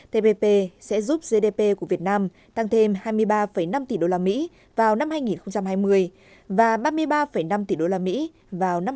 tpp sẽ giúp gdp của việt nam tăng thêm hai mươi ba năm tỷ đô la mỹ vào năm hai nghìn hai mươi và ba mươi ba năm tỷ đô la mỹ vào năm hai nghìn hai mươi năm